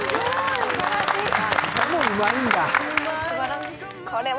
歌もうまいんだ。